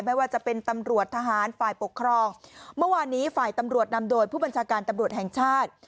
ไม่ว่าจะเป็นตำรวจทหารฝ่ายปกครองเมื่อวานนี้ฝ่ายตำรวจนำโดยผู้บัญชาการตำรวจแห่งชาติ